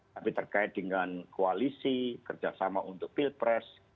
tapi terkait dengan koalisi kerjasama untuk pilpres